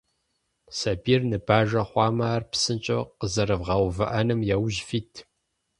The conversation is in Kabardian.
Сабийр ныбажэ хъуамэ, ар псынщӏэу къэзэрывгъэувыӏэным яужь фит.